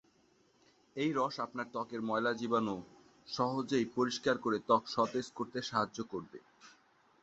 এই রস আপনার ত্বকের ময়লা জীবাণু সহজেই পরিষ্কার করে ত্বক সতেজ করতে সাহায্য করবে।